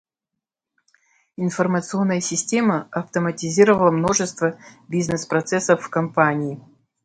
Информационная система автоматизировала множество бизнес-процессов в компании.